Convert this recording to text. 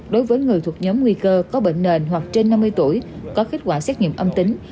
đối với người thuộc nhóm nguy cơ có bệnh nền hoặc trên năm mươi tuổi có kết quả xét nghiệm âm tính